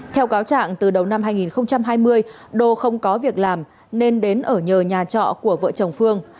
theo cáo trạng từ đầu năm hai nghìn hai mươi đô không có việc làm nên đến ở nhờ nhà trọ của vợ chồng phương